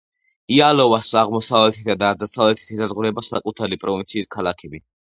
იალოვას აღმოსავლეთითა და დასავლეთით ესაზღვრება საკუთარი პროვინციის ქალაქები.